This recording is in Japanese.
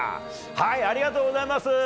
ありがとうございます。